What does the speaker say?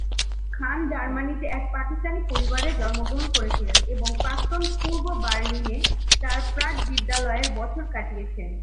খান জার্মানিতে এক পাকিস্তানি পরিবারে জন্মগ্রহণ করেছিলেন এবং প্রাক্তন পূর্ব বার্লিনে তাঁর প্রাক বিদ্যালয়ের বছর কাটিয়েছেন।